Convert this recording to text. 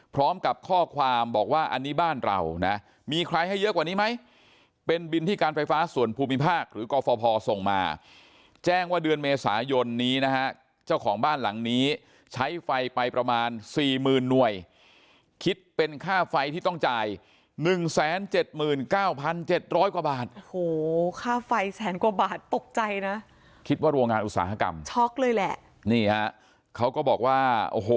พร้อมกับข้อความบอกว่าอันนี้บ้านเราน่ะมีใครให้เยอะกว่านี้ไหมเป็นบินที่การไฟฟ้าส่วนภูมิภาคหรือก็พอส่งมาแจ้งว่าเดือนเมษายนนี้นะฮะเจ้าของบ้านหลังนี้ใช้ไฟไปประมาณสี่หมื่นหน่วยคิดเป็นค่าไฟที่ต้องจ่ายหนึ่งแสนเจ็ดหมื่นเก้าพันเจ็ดร้อยกว่าบาทโอ้โหค่าไฟแสนกว่าบาทตกใจนะ